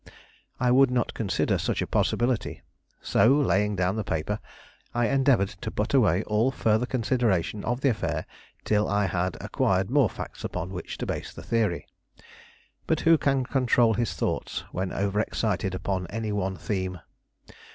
I would not consider such a possibility; so laying down the paper, I endeavored to put away all further consideration of the affair till I had acquired more facts upon which to base the theory. But who can control his thoughts when over excited upon any one theme?